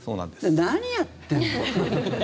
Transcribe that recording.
何やってんの。